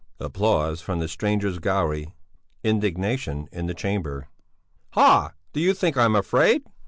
Applause from the strangers' gallery; indignation in the Chamber. "Ha! Do you think I'm afraid?"